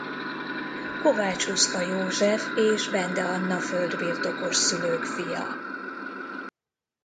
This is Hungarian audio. Kovách-Huszka József és Bende Anna földbirtokos szülők fia.